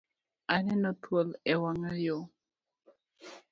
Aneno thuol e wanga yo